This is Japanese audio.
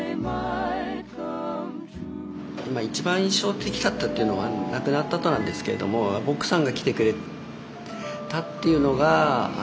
一番印象的だったっていうのは亡くなったあとなんですけれども奥さんが来てくれたっていうのが。